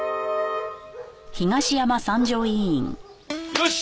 よし！